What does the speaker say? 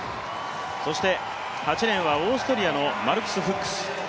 そして８レーンはオーストリアのマルクス・フックス。